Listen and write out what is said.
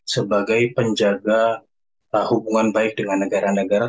sebagai penjaga hubungan baik dengan negara negara